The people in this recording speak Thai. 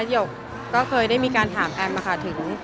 ยกก็เคยได้การถามแอมมาค่ะ